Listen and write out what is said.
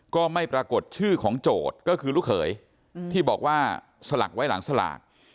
ก็ไม่ปรากฏชื่อของโจทย์ก็คือลูกเขยที่บอกว่าสลักไว้หลังสลาก